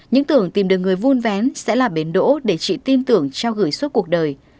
chị tin tưởng tìm được người vuôn vén sẽ là bến đỗ để chị tin tưởng trao gửi suốt cuộc đời